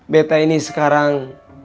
betta ini sekarang